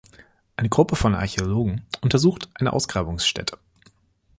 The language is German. Eine Gruppe von Archäologen untersucht eine Ausgrabungsstätte.